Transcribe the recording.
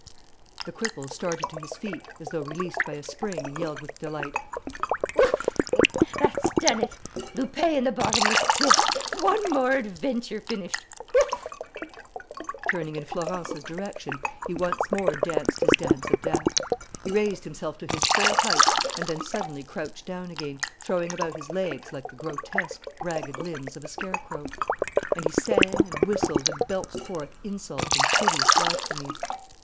The cripple started to his feet, as though released by a spring, and yelled with delight: "Oof! That's done it! Lupin in the bottomless pit! One more adventure finished! Oof!" Turning in Florence's direction, he once more danced his dance of death. He raised himself to his full height and then suddenly crouched down again, throwing about his legs like the grotesque, ragged limbs of a scarecrow. And he sang and whistled and belched forth insults and hideous blasphemies.